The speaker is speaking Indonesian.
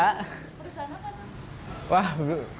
perusahaan apa tuh